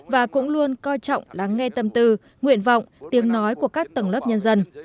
và cũng luôn coi trọng lắng nghe tâm tư nguyện vọng tiếng nói của các tầng lớp nhân dân